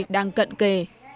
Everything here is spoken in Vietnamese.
đang cận kề